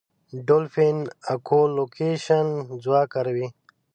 ډولفین اکولوکېشن ځواک کاروي.